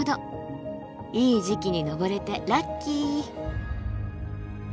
いい時期に登れてラッキー。